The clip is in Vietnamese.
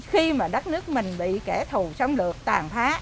khi mà đất nước mình bị kẻ thù xâm lược tàn phá